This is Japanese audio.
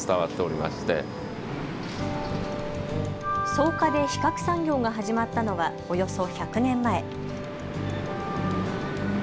草加で皮革産業が始まったのはおよそ１００年前。